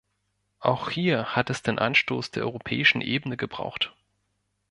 Auch hier hat es den Anstoß der europäischen Ebene gebraucht.